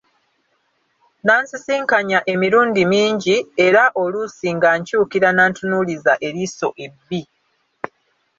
N'ansikaasikanya emirundi mingi, era oluusi ng'ankyukira n'antunuuliza eriiso ebbi.